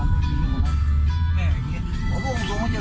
ไม่มีนะครับไม่มีนะครับ